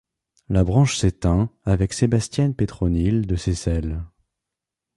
La branche s'éteint avec Sébastienne-Pétronille de Seyssel.